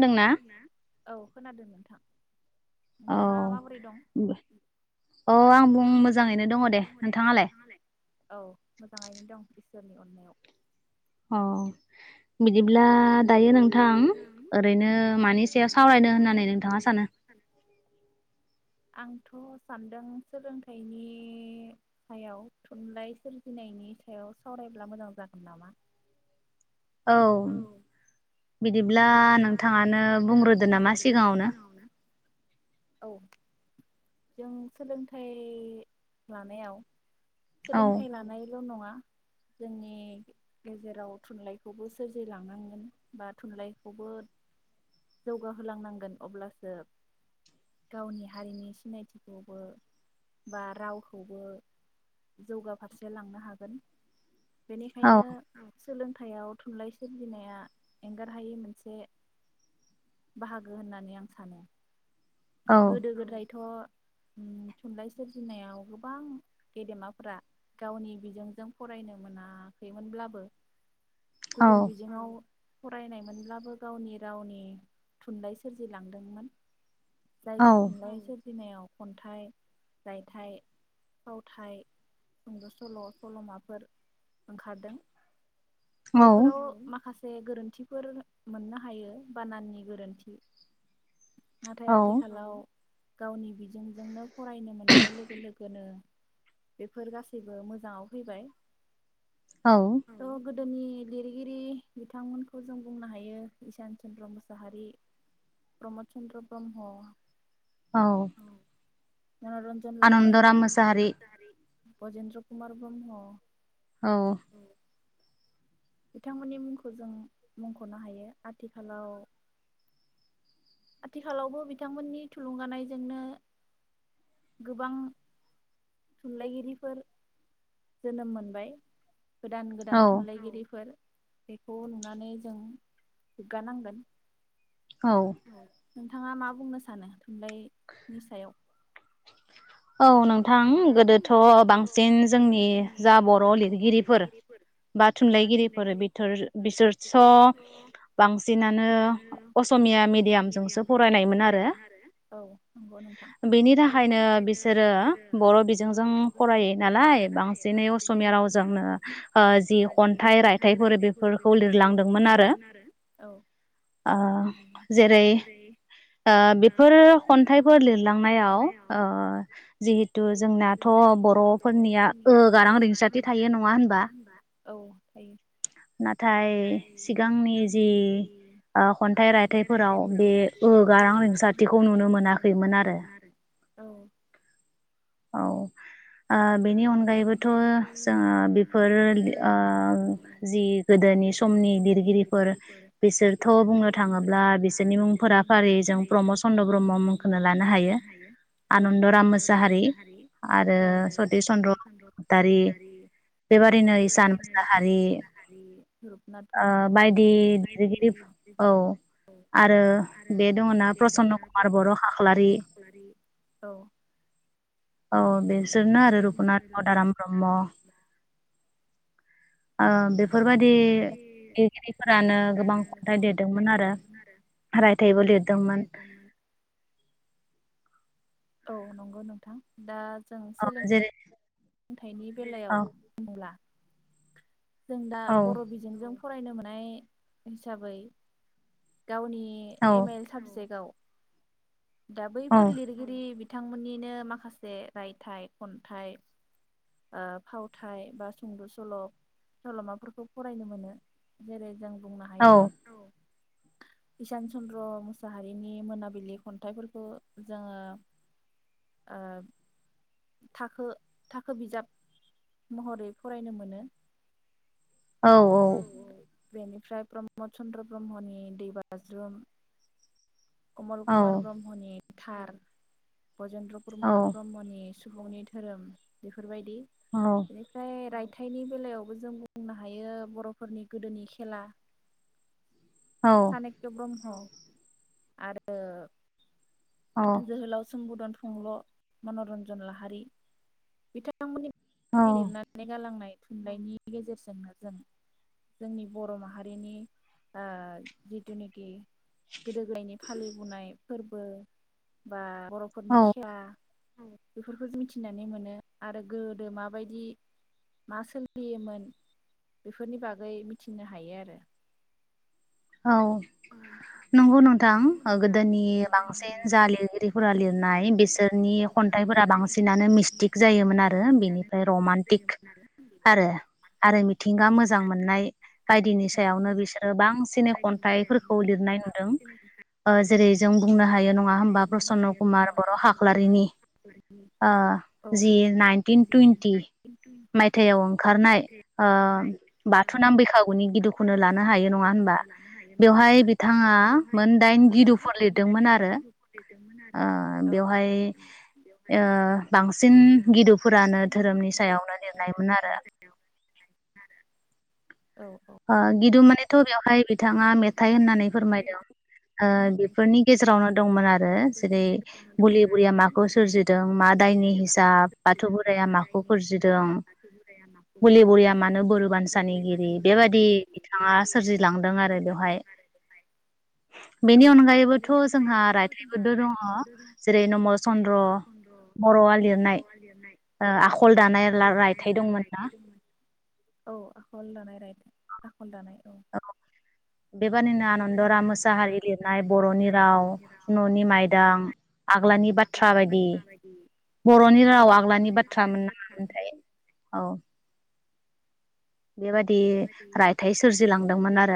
मा खोनादोंना औ खोनादों नोंथां नोंथाङा माबोरै दं औ आं मोजाङैनो दङ दे नोंथाङालाय औ मोजाङैनो दं [inaudible] अ बिदिब्ला दायो नोंथां ओरैनो मानि सायाव सावरायनो होननानै नोंथाङा सानो आंथ सानदों सोलोंथाइनि सायाव थुनलाइ सोरजिनायनि सायाव सावरायब्ला मोजां जागोन नामा औ बिदिब्ला नोंथाङानो बुंग्रोदो नामा सिगाङावनो औ जों सोलोंथाइ लानायाव सोलोंथाइ लानायल नङा जोंनि गेजेराव थुनलाइखौबो सोरजिलांनांगोन बाद थुनलाइखौबो जौगाहोलांनांगोन अब्लासो गावनि हारिनि सिनायथिखौबो बा रावखौबो जौगा फारसे लांनो हागोन। बेनिखायनो नों सोलोंथाइयाव थुनलाइ सोरजिनाया एंगारहायि मोनसे बाहागो होननानै आं सानो गोदो गोदाय थ‌ उम थुनलाइ सोरजिनायाव गोबां गेदेमाफोरा गावनि बिजोंजों फरायनो मोनाखैमोनब्लाबो गुबुन बिजोङाव फरायनायमोनब्लाबो गावनि रावनि थुनलाइ सोरजिलांदोंमोन जायफोर थुनलाइ सोर दिनायाव खन्थाइ रायथाइ फावथाइ सुंद सल सलमाफोर ओंखारदों। बेफोराव माखा बे गोरोन्थिफोर मोननो हायो बानाननि गोरोन्थि। नाथाय आथिखालाव गावनि बिजोंजोंनो फरायनो मोननाय लोगो लोगोनो बेफोर गासैबो मोजाङाव फैबाय औ गोदोनि लिरगिरि बिथांमोनखौ जों बुंनो हायो इसान चन्द्र मुसाहारि प्रमद चन्द्र ब्रह्म अ औ मनरन्जन लाहारि आनन्दराम मासाहारि ब्रजेन्द्र कुमार ब्रह्म औ बिथांमोननि मुंखौ जों मुंखनो हायो आथिखालाव आथिखालावबो बिथांमोननि थुलुंगानायजोंनो गोबां थुनलाइगिरिफोर जोनोम मोनबाय गोदान गोदान थुनलाइगिरिफोर बेखौ नुनानै जों गोगगानांगोन औ नोंथाङा मा बुंनो सानो थुनलाइनि सायाव औ नोंथां गोदोथ बांसिन जोंनि जा बर' लिरगिरिफोर बा थुनलाइगिरिफोर बिथोर बिसोरथ बांसिनानो असमिया मिडियामसो फरायनायमोन आरो औ नंगौ नोंथां बेनि थाखायनो बिसोरो बर' बिजोंजों फरायो नालाय बांसिनै असमिया रावजों अ जि खन्थाइ रायथाइफोर बेफोरखौ लिरलांदोंमोन आरो औ उम जेरै अ बेफोर खनथाइफोर लिरलांनायाव अ जिहेतु जोंनाथ बरफोरनिया ओ गारां रिंसारथि थायो नङा होनबा औ थायो नाथाय सिगांनि जि ओ खन्थाइ रायथाइफोराव ओ गारां रिंसारथिखौ नुनो मोनाखैमोन आरो औ औ ओ बेनि अनगायैबोथ जोङो बेफोर ओ जि गोदोनि समनि लिरगिरिफोर बिसोरथ बुंनो थाङोब्ला बिसोरनि मुंफोरा फारियै जों प्रमद चन्द्र ब्रह्म मुंखौनो लानो हायो आनन्दराम मोसाहारि आरो स बसुमतारि बेबादिनो इसान मुसाहारि ओ बायदि लिरगिरि औ आरो बे दङ ना प्रसन्न्द कुमार बर' खाख्लारि औ बेसोरनो आरो रुपनाथ मदाराम ब्रह्म ओ बेफोरबादि लिरगिरिफोरानो गोबां खन्थाइ लिरदोंमोन आरो रायथाइबो लिरदोंमोन औ नंगौ नोंथां दा अ जेरै सोलोंथाइनि बेलायाव नुला जों दा बर' बिजोंजों फरायनो मोननाय हिसाबै गावनि एम एल साबजेक्टआव दा बैफोर लिरगिरि बि बिथांमोननिनो माखासे रायथाइ खनथाइ ओ फावथाय बा सुंद' सल' सल'माफोरखौ फरायनो मोनो जेरै जों बुंनो हायो औ इसान चन्द्र मुसाहारिनि मोनाबिलि खन्थाइफोरखौ जोङो ओ थाखो थाख खो बिजाब महरै फरायनो मोनो औ औ बेनिफ्राय प्रमद चन्द्र ब्रह्मनि दै बाज्रुम कमल कुमार ब्रह्मनि थार बजेन्द्र कुरमार ब्रह्मनि सुबुंनि धोरोम बेफोरबायदि बेनिफ्राय राइ फिथाइनि बेलायावबो जों बुंनो हायो बर'फोरनि गोदोनि खेला सानेकत' ब्रह्म आरो जोहोलाव सुमबुदन फुंल मनरन्जन लाहारि बिथां थांमोननिदि लिरनानै गालांनाय थुनलाइनि गेजेरजोंनो जों जोंनि बर माहारिनि ओ जिथुनिखि गोदो गोदायनि फालिबोनाय फोरबो बा बर फोरनि [unintelligible] बेफोरखौ मिथिनानै मोनो आरो गोदो माबायदि मा सोलियोमोन बेफोरनि बागै मिथिनो हायो आरो औ नंगौ न थां गोदोनि बांसिन जा लिरगिरिफोरा लिर नाय बिसोरनि खनथाइफोरा बांसिनानो मिस्टिक जायोमोन आरो बिनिफ्राय रमान्टिक आरो आरो मिथिंगा मोजां मोननाय बायदिनि सायावनो बिसोरो बांसिन खन्थाइफोरखौ लिरनाय नुदों ओ जेरै जों बुंनो हायो नङा होमबा प्रसन्न कुमार बर आाख्लारिनि ओ जि नाइनटिन टुइन्टि मायथायाइाव ओंखारनाय ओ बाथौ नाम बैखागुनि गिदुखौनो लानो हायो नङा होनबा बेवहाय बिथाङा मोनदाइन गिरुफोर लिरदोंमोन आरो बेवहाय ओ बांसिन गिदुफोरानो धोरोमनि सायावनो लिरनायमोन आरो औ ओ गिदु मानेथ बे हाय बिथाङा मेथाइ होननानै फोरमायदों ओ बेफोरनि गेजेरावनो दंमोन आरो जेरै बुलि बुरिया माखौ सोरजिदों मा दायनि हिसाब बाथौ बोराइया माखौ खुरजिदों बुलि बुरिया मानो बोर बानसानिगिरि बिथाङा सोरजिला आरो बेवहाय बेनि अनगायैबोथ जोंहा रायथाइफोरबो दङ जेरै नमल चन्द्र बरआ लिरनाय आखल ओ दानाय रायथाइ दंमोन ना औ आखल दानाय राय आखल दानाय ओ बेबादिनो आनन्दराम मोसाहारि लिरनाय बरनि राव ननि मायदां आ बाथ्रा बायदि बरनि राव आग्लानि बाथ्रामोन नामामोनथाय औ बेबादि रायथाइ सोरजिलांदोंमोन आरो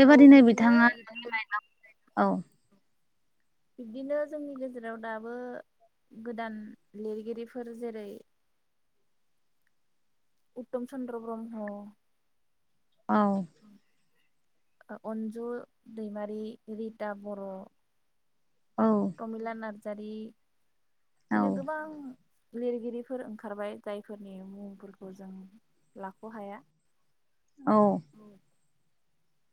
बेबादिनो बिथाङा औ बिबदिनो जोंनि गेजेराव दाबो गोदान लिरगिरिफोर जेरै उतम चन्द्र ब्रह्म औ अनजु दैमारि रिता बर प्रमिला नार जारि इनो गोबां लिरगिरिफोर ओंखारबाय जायफोरनि मुंफोरखौ जों लाख हाया औ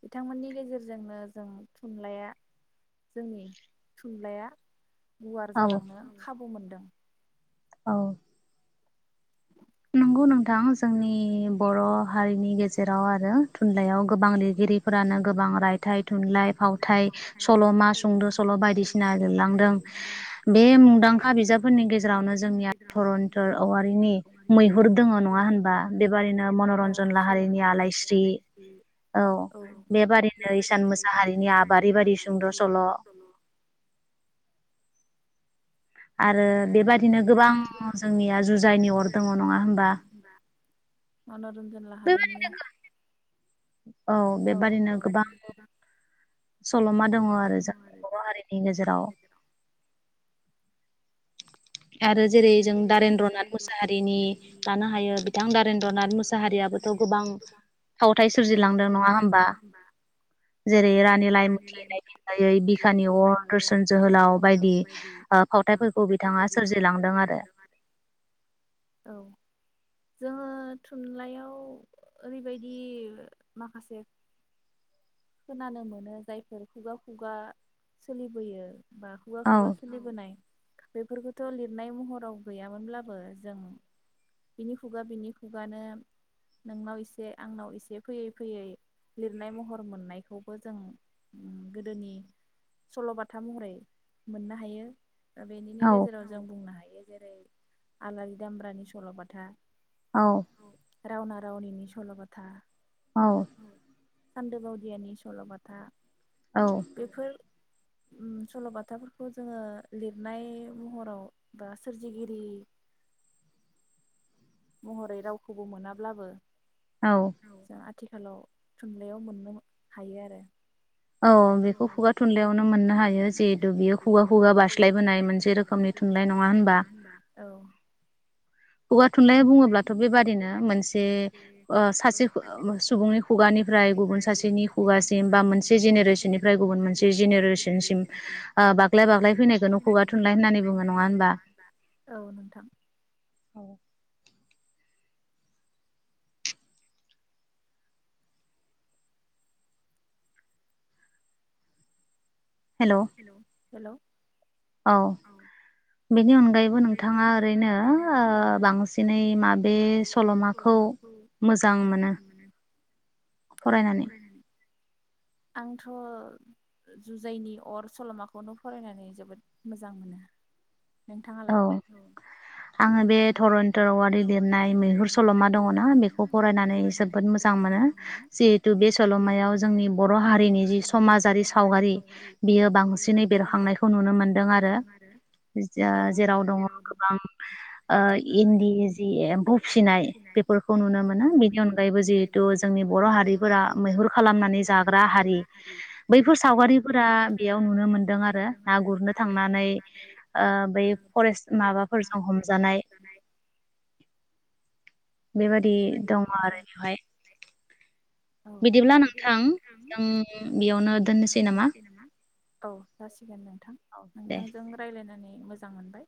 बिथांमोननि गेजेरजोंनो जों थुनलाइया जोंनि थुनलाइया गुवार जालांनो खाबु मोनदों औ नंगौ नोंथां जोंनि बर हारिनि गेजेराव आरो थुनलाइयाव गोबां लिरगिरिफोरानो गोबां रायथाइ थुनलाइ फावथाइ सलमा सुंद सल बायदिसिना लिरलांदों बे मुंदांखा बिजाबफोरनि गेजेरावनो जोंनिया धरन्तर औवारिनि बुङो नङा होनबा बेबादिनो मनरन्जन लाहारिनि आलायस्रि औ बेबादिनो इसान मोसाहारिनि आबारि बादि सुंद सल आरो बेबादिनो गोबां जोंनिया जुजाइनि अर दङ नङा होमबा मानरन रनजन लाहारिनि औ बेबायदिनो गोबां सलमा दङ आरो जोंनि गेजेराव आरो जेरै जों दारेन्द्र नाथ मोसाहारिनि लानो हायो बिथां दारेन्द्र नाथ मोसाहारियाबोथ' गोबां फावथाय सोरजिलांदों नङा होनबा जेरै रानि लाइमुथि नायफनजायै बिखानि अर दोरसोन जोहोलाव बायदि ओ फावथाइफोरखौ बिथाङा बुजिलां सोरजिलांदों आरो औ जोङो थुनलाइयाव ओरैबायदि माखासे खोनानो मोनो जायफोर खुगा खुगा सोलिबोयो बा खुगा खुगा सलिबोनाय बेफोरखौथ' लिरनाय महराव गैयामोनब्लाबो जों बिनि खुगा बिनि खुगानो नोंनाव एसे आंनाव एसे फैयै फैयै लिरनाय महर फोर मोननायखौबो जों गोदोनि सलबाथा महरै मोननो हायो दा बेनिनि गेजेराव जों बुंनो हायो जेरै आलारि दामब्रानि सलबाथा औ रावना रावनिनि सलबाथा औ सान्दोबावदियानि सलबाथा बेफोर सलबाथाफोरखौ जोङो लिरनाय महराव बा सोरजिगिरि महरै रावखौबो मोनाब्लाबो औ आथिखालाव थुनलाइयाव मोननो हायो आरो औ बेखौ खुगा थुनलाइयावनो मोननो हायो जिहेथु बेयो खुगा खुगा बारास्लायबोनाय मोनसे रोखोमनि थुनलाइ नङा होनबा खुगा थुनलाइ बुङोब्लाथ बेबादिनो मोनसे सासे सुबुंनि खुगानिफ्राय गुबुन सासेनि खुगासिम बा मोनसे जेनेरेसननिफ्राय गुबुन मोनसे जेनेरेसनसिम बाग्लाय बाग्लाय फैनायखौनो खुगा थुनलाइ होननानै बुङो नङा होमबा औ नोंथां औ हेल हेल औ बेनि अनगायैबो नोंथाङा ओरैनो ओ बांसिनै माबे सलमाखौ मोजां मोनो? फरायनानै? आंथ जुजाइनि अर सलमाखौनो फरायनानै जोबोद मोजां मोनो नोंथाङालाय? औ आङो बे धरनि दर औवारि लिरनाय मैहुर सलमा दङना बेखौ फरायनानै जोबोद मोजां मोनो जिहेतु बे सलमायाव जोंनि बर हारिनि जि समाजारि सावगारि बियो बांसिनै बेरखांनायखौ नुनो मोनदों आरो ओ जेराव दङ गोबां ओ इनदि जि एमफौ फिसिनाय बेफोरखौ नुनो मोनो बिनि अनगायैबो जिहेथु जोंनि बर हारिफोरा मैहुर खालामनानै जाग्रा हारि बैफोर सावगारिफोरा बेयाव नुनो मोनदों आरो ना गुरनो थांनानै बै फरेस माबाफोरजों हम [unintelligible] बेबायाददि दङ आरो औ बिदिब्ला नोंथां बेयावनो दोननोसै नामा औ जासिगोन नोंथां नोंथांजों रायलायनानै मोजां मोनबाय।